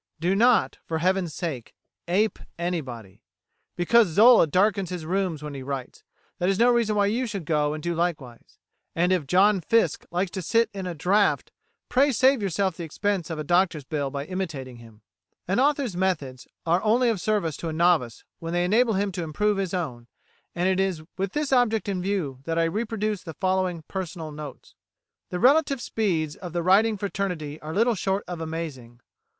Do not, for Heaven's sake, ape anybody. Because Zola darkens his rooms when he writes, that is no reason why you should go and do likewise; and if John Fiske likes to sit in a draught, pray save yourself the expense of a doctor's bill by imitating him. An author's methods are only of service to a novice when they enable him to improve his own; and it is with this object in view that I reproduce the following personal notes. The relative speeds of the writing fraternity are little short of amazing.